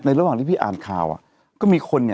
แล้วที่พี่อ่านข่าวโดยมีคนนี้